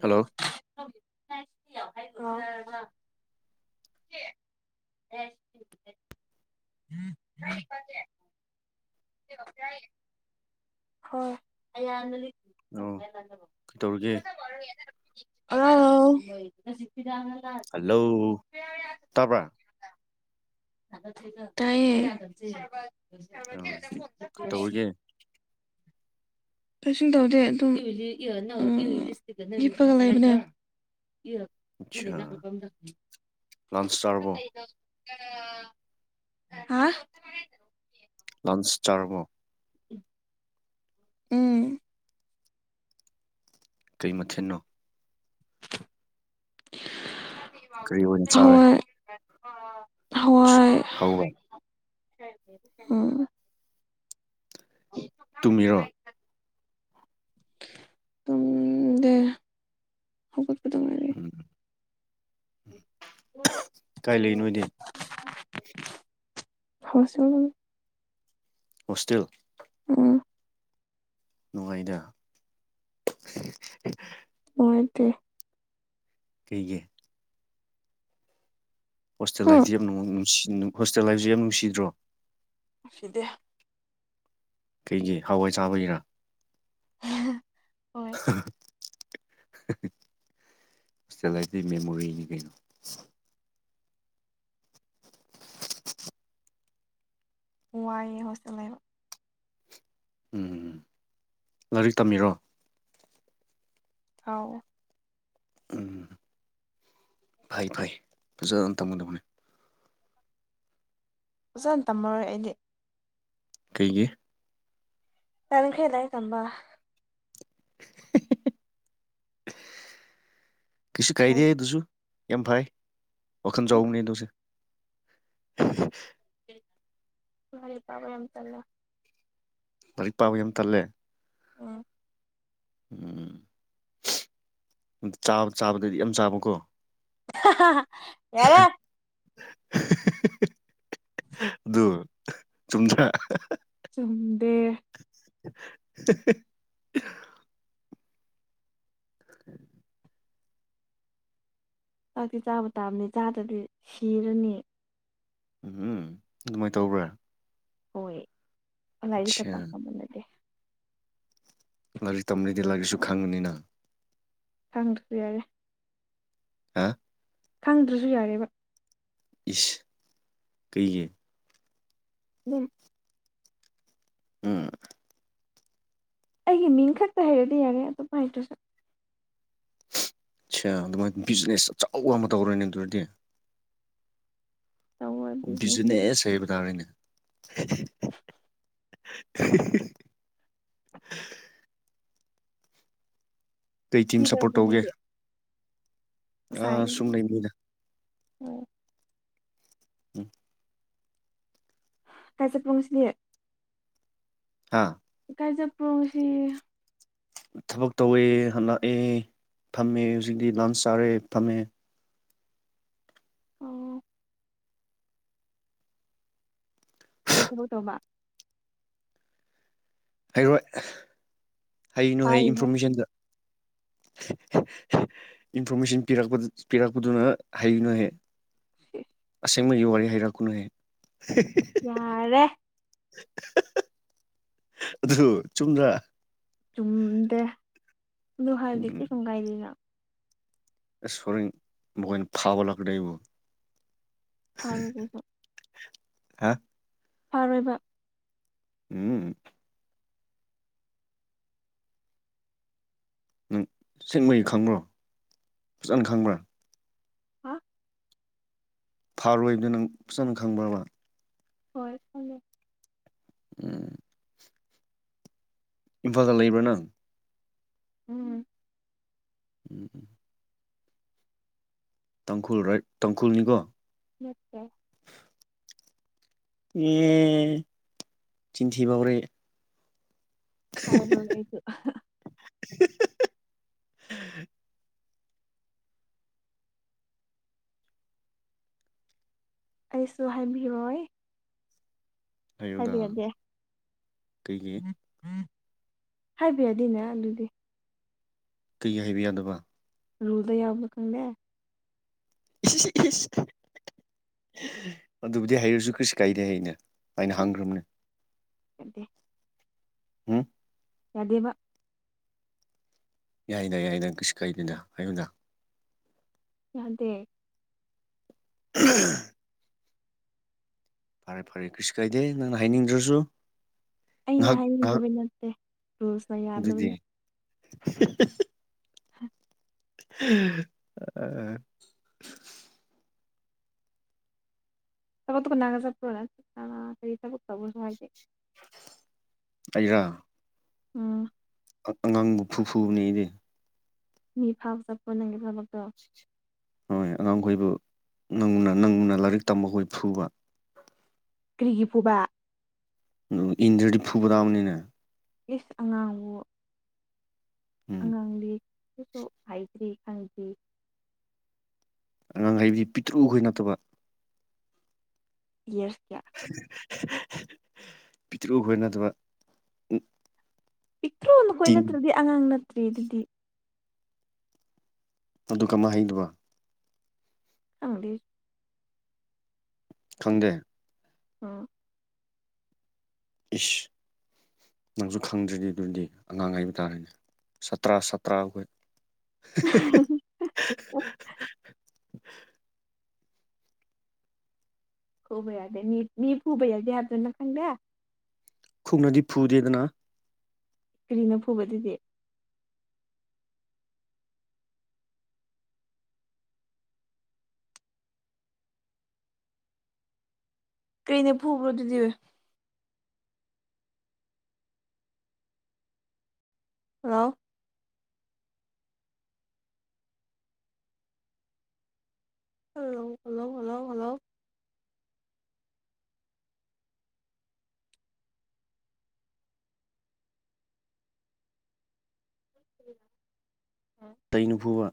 Hello. ꯁꯤ ꯍꯥꯎ꯫ ꯎꯝ [inaudible] ꯌꯥꯏꯌꯦ [unintelligible] ꯍꯣꯏ ꯑꯩ꯫ ꯑꯣ ꯀꯩꯇꯧꯔꯤꯒꯦ꯫ ꯋꯥꯦ [unintelligible] ꯑꯥꯎ꯫ ꯍꯜꯂꯣ ꯇꯥꯕ꯭ꯔꯥ ꯇꯥꯏꯌꯦ꯫ ꯐ ꯑꯥ ꯀꯩꯇꯧꯔꯤꯒꯦ [unintelligible] ꯀꯩꯁꯨꯝ ꯇꯧꯗꯦ ꯑꯗꯨꯝ ꯍꯤꯞꯄꯒ ꯂꯩꯕꯅꯦ꯫ ꯑꯠꯁꯥ ꯂꯟꯁ ꯆꯥꯔꯕꯣ [unintelligible] ꯑꯥ ꯍꯥ ꯂꯟꯁ ꯆꯥꯔꯕꯣ ꯎꯝ ꯀꯩ ꯃꯊꯦꯟꯅꯣ ꯀꯔꯤ ꯑꯣꯏꯅ ꯆꯥꯔꯦ ꯍꯋꯥꯏ ꯑꯁ, ꯍꯋꯥꯏ ꯍꯧꯔꯣ ꯎꯝ ꯇꯨꯝꯃꯤꯔꯣ ꯇꯨꯝꯗꯦ ꯍꯧꯒꯠꯄꯗ ꯉꯥꯏꯔꯤ ꯎꯝ꯫ ꯀꯥꯏ ꯂꯩ ꯅꯣꯏꯗꯤ ꯐꯁꯦꯜ꯫ ꯍꯣꯁꯇꯦꯜ꯫ ꯎꯝ꯫ ꯅꯨꯡꯉꯥꯏꯗ꯫ ꯅꯨꯉꯥꯏꯇꯦ꯫ ꯀꯩꯒꯤ꯫ ꯍꯣꯁꯇꯦꯜ ꯍꯨꯝ ꯂꯥꯏꯐꯇꯤ ꯌꯥꯝ ꯅꯨꯡ ꯍꯣꯁꯇꯦꯜ ꯂꯥꯏꯐꯁꯨ ꯌꯥꯝ ꯅꯨꯡꯁꯤꯗ꯭ꯔꯣ꯫ ꯅꯨꯡꯁꯤꯗꯦ ꯀꯩꯒꯤ ꯍꯋꯥꯏ ꯆꯥꯕꯒꯤꯔ ꯍꯣꯏ [unintelligible] ꯗꯤ ꯃꯦꯃꯣꯔꯤꯅꯤ ꯀꯩꯅꯣ ꯋꯥꯏ ꯍꯣꯁꯇꯦꯜ ꯂꯩꯕ ꯎꯝ ꯂꯥꯏꯔꯤꯛ ꯇꯝꯃꯤꯔꯣ ꯍꯥꯎ ꯎꯝ ꯐꯩ ꯐꯩ ꯐꯖꯅ ꯇꯨꯝꯒꯗꯧꯅꯤ ꯐꯖꯅ ꯇꯝꯃꯔꯣꯏ ꯑꯩꯗꯤ ꯀꯩꯒꯤ ꯇꯟꯈꯔꯦ ꯂꯥꯏꯔꯤꯛ ꯇꯝꯕ ꯀꯩꯁꯨ ꯀꯥꯏꯗꯦ ꯑꯗꯨꯨꯖꯨ ꯌꯥꯝ ꯐꯩ ꯋꯥꯈꯟ ꯆꯥꯎꯕꯅꯦ ꯗꯧꯁꯦ ꯂꯥꯏꯔꯤꯛ ꯄꯥꯕꯥ ꯌꯥꯝ ꯇꯜꯂꯦ ꯂꯥꯏꯔꯤꯛ ꯄꯥꯕꯒꯤ ꯌꯥꯝ ꯇꯜꯂꯦ ꯎꯝ ꯎꯝ ꯆꯥꯕ ꯆꯥꯕꯗꯗꯤ ꯌꯥꯝ ꯆꯥꯕꯀꯣ ꯌꯥꯔꯦ ꯑꯗꯨ ꯆꯨꯝꯗ꯭ꯔꯥ ꯆꯨꯝꯗꯦ [unintelligible] ꯆꯥꯛꯇꯤ ꯆꯥꯕ ꯇꯥꯕꯅꯤ ꯆꯥꯗꯗꯤ ꯁꯤꯔꯅꯤ ꯎꯝ ꯎꯝ ꯑꯗꯨꯃꯥꯏ ꯇꯧꯕ꯭ꯔꯥ ꯍꯣꯏ ꯂꯥꯏꯔꯤꯛ ꯀ ꯑꯠꯁꯥ ꯆꯥꯛꯀ ꯃꯥꯟꯅꯗꯦ ꯂꯥꯏꯔꯤꯛ ꯇꯝꯔꯗꯤ ꯂꯥꯏꯔꯤꯛꯁꯨ ꯈꯪꯉꯅꯤꯅ ꯈꯪꯗ꯭ꯔꯁꯨ ꯌꯥꯔꯦ ꯑꯥ ꯈꯪꯗ꯭ꯔꯁꯨ ꯌꯥꯔꯦꯕ ꯏꯁ ꯀꯩꯒꯤ ꯗꯨꯝ ꯎꯝ ꯑꯩꯒꯤ ꯃꯤꯡ ꯈꯛꯇ ꯍꯩꯔꯗꯤ ꯌꯥꯔꯦ ꯑꯇꯣꯞꯄ ꯍꯩꯇꯔ꯭ꯁꯨ ꯁꯥ ꯑꯗꯨꯃꯥꯏ ꯕꯤꯖꯤꯅꯦꯁ ꯑꯆꯧꯕ ꯑꯃ ꯇꯧꯔꯣꯅꯦ ꯑꯗꯨ ꯑꯣꯏꯔꯗꯤ ꯇꯧꯕ ꯕꯤꯖꯤꯅꯦꯁꯇ ꯕꯤꯖꯤꯅꯦꯁ ꯍꯥꯏꯕ ꯇꯥꯔꯦꯅꯦ ꯎ ꯀꯩ ꯇꯤꯝ ꯁꯞꯄꯣꯔꯠ ꯁꯤꯗꯕ ꯇꯧꯒꯦ ꯁꯥꯏ ꯑꯥ ꯁꯨꯝ ꯂꯩꯕꯅꯤꯗ ꯎꯝ ꯎꯝ [unintelligible] ꯍꯥꯥ ꯀꯥꯏꯖꯄꯣꯡꯁꯤ ꯊꯕꯛ ꯇꯧꯋꯦ ꯍꯂꯛꯑꯦ ꯐꯝꯃꯦ ꯍꯧꯖꯤꯛꯇꯤ ꯂꯥꯟꯁ ꯆꯥꯔꯦ ꯐꯝꯃꯦ ꯑꯣ ꯀꯩ ꯊꯕꯛ ꯇꯧꯕꯥ ꯍꯥꯏꯔꯣꯏ ꯍꯩꯒꯅꯨ ꯍꯥꯏ ꯍꯥꯏꯌꯨꯍꯦ ꯏꯟꯐꯣꯔꯃꯦꯁꯟꯗ ꯏꯟꯐꯣꯔꯃꯦꯁꯟ ꯄꯤꯔꯛꯄ ꯄꯤꯔꯛꯄꯗꯨꯅ ꯍꯥꯏꯒꯅꯨ ꯍꯥꯏꯌꯦ ꯑꯁꯦꯡꯕꯒꯤ ꯋꯥꯔꯤ ꯍꯥꯏꯔꯛꯀꯅꯨꯍꯦ ꯌꯥꯔꯦ [unintelligible] ꯑꯗꯨꯁꯨ ꯆꯨꯝꯗ꯭ꯔꯥ ꯆꯨꯝꯗꯦ ꯑꯗꯨ ꯍꯥꯏꯕꯗꯤ ꯎꯝ ꯀꯩꯁꯨꯝ ꯀꯥꯏꯗꯦꯅ ꯁꯔꯤ ꯒꯣꯏꯅ ꯐꯕ ꯂꯥꯛꯗ ꯑꯩꯕꯨ ꯐꯪꯕ ꯍꯥ ꯑꯥꯔꯣꯏꯕ ꯎꯝ ꯅꯪ ꯁꯦꯟꯃꯩ ꯈꯪꯕ꯭ꯔꯣ ꯐꯖꯅ ꯈꯪꯕ꯭ꯔꯥ ꯍꯥ ꯐꯥꯔꯣꯏꯕꯗꯨꯅ ꯅꯪ ꯐꯖꯅ ꯈꯪꯕꯕ ꯍꯣꯏ ꯐꯂꯦ ꯎꯝ ꯏꯝꯐꯥꯜꯗ ꯂꯩꯕ꯭ꯔꯥ ꯅꯪ ꯎꯝ ꯎꯝ ꯎꯝ ꯇꯥꯡꯈꯨꯜ ꯔꯥꯏꯠ ꯇꯥꯡꯈꯨꯜꯅꯤꯀꯣ ꯅꯠꯇ ꯑꯦ ꯆꯤꯟ ꯊꯤꯕ ꯍꯧꯔꯦ ꯍꯥꯏꯕꯣ [unintelligible] ꯑꯩꯁꯨ ꯍꯥꯏꯕꯤꯔꯣꯏ ꯍꯥꯏꯌꯨꯗ ꯍꯥꯏꯕ ꯌꯥꯗꯦ ꯀꯩꯒꯤ ꯍꯥꯏꯕ ꯌꯥꯗꯤꯅꯦ ꯑꯗꯨꯗꯤ ꯀꯩꯒꯤ ꯍꯥꯏꯕ ꯌꯥꯗꯕ ꯔꯨꯜꯗ ꯌꯥꯎꯕ꯭ꯔꯥ ꯈꯪꯗꯦ ꯏꯁ ꯏꯁ‌ ꯑꯗꯨꯕꯨꯗꯤ ꯍꯩꯔꯁꯨ ꯀꯩꯁꯨ ꯀꯥꯏꯗꯦ ꯑꯩꯅ ꯑꯩꯅ ꯍꯪꯈ꯭ꯔꯕꯅꯦ ꯗꯦ ꯎꯝ ꯌꯥꯗꯦꯕ ꯌꯥꯏꯅ ꯌꯥꯏꯅ ꯀꯩꯁꯨ ꯀꯩꯗꯅ ꯑꯌꯨꯝꯗ ꯌꯥꯗꯦ ꯎꯝ ꯐꯔꯦ ꯐꯔꯦ ꯀꯩꯁꯨ ꯀꯥꯏꯗꯦ ꯅꯪꯅ ꯍꯥꯏꯅꯤꯡꯗ꯭ꯔꯁꯨ ꯑꯩꯅ ꯉꯥꯏꯍꯥꯛ ꯉꯥꯏꯍꯥꯛ ꯍꯥꯏꯅꯤꯡꯗꯕꯩ ꯅꯠꯇꯦ ꯔꯨꯁ ꯑꯗꯨꯗꯤ ꯑ [unintelligible] ꯑꯩꯔ ꯎꯝ ꯑꯉꯥꯡꯕꯨ ꯐꯨ ꯐꯨꯕꯅꯦꯗꯤ ꯃꯤ ꯐꯥꯕ ꯆꯠꯄꯣ ꯅꯪꯒꯤ ꯊꯕꯛꯇꯣ ꯍꯣꯏ ꯑꯉꯥꯡꯈꯣꯏꯕꯨ ꯅꯪꯅ ꯅꯪꯅ ꯂꯥꯏꯔꯤꯛ ꯇꯝꯕꯈꯣꯏ ꯐꯨꯕ ꯀ꯭ꯔꯤꯒꯤ ꯐꯨꯕꯥ ꯏꯟꯗ꯭ꯔꯗꯤ ꯐꯨꯕ ꯗꯥꯕꯅꯤꯅ ꯌꯦ ꯑꯉꯥꯡꯕꯨ ꯎꯝ ꯑꯉꯥꯡꯗꯤ ꯀꯁꯨ ꯍꯥꯏꯗ꯭ꯔꯤ ꯈꯪꯗ꯭ꯔꯤ ꯑꯉꯥꯡ ꯍꯥꯢꯗꯤ ꯄꯤꯛꯇ꯭ꯔꯨꯈꯣꯏ ꯅꯠꯇꯕ ꯌꯦꯁ ꯀꯌꯥ ꯄꯤꯇ꯭ꯔꯨꯈꯣꯏ ꯅꯠꯇꯕ ꯄꯤꯛꯇ꯭ꯔꯣ ꯅꯈꯣꯏ ꯇꯤꯟ ꯅꯠꯇ꯭ꯔꯗꯤ ꯑꯉꯥꯡ ꯅꯠꯇ꯭ꯔꯥ ꯑꯗꯨꯗꯤ ꯑꯗꯨ ꯀꯃꯥꯏ ꯍꯥꯏꯗꯧꯕ ꯑꯪꯗꯤ ꯈꯪꯗꯦ ꯎꯝ ꯏꯤꯁ ꯅꯪꯁꯨ ꯈꯪꯗ꯭ꯔꯤꯗꯤ ꯑꯗꯨꯗꯤ ꯑꯉꯥꯡ ꯍꯥꯏꯕ ꯇꯥꯔꯦꯅꯦ ꯆꯇ꯭ꯔꯥ ꯁꯥꯠꯇ꯭ꯔꯥ ꯑꯩꯈꯣꯏ [unintelligible] ꯈꯨꯕꯩꯗꯦ ꯃꯤ ꯈꯨꯕꯩꯗꯤꯦ ꯍꯥꯖꯅ ꯈꯪꯗꯦ ꯈꯨꯠꯅꯗꯤ ꯐꯨꯗꯦꯗꯅ ꯀꯔꯤꯅ ꯐꯨꯕ ꯑꯗꯨꯗꯤ ꯀꯔꯤꯅꯥ ꯐꯨꯕ꯭ꯔꯣ ꯑꯗꯨꯗꯤ hello hello hello hello hello ꯎꯝ ꯇꯩꯅ ꯐꯨꯕ